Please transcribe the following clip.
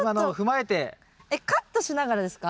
えっカットしながらですか？